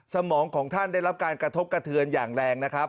สมองของท่านได้รับการกระทบกระเทือนอย่างแรงนะครับ